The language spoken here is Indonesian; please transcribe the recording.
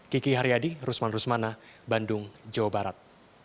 kiki haryadi rusman rusmana bandung jawa barat